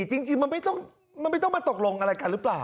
จริงมันไม่ต้องมาตกลงอะไรกันหรือเปล่า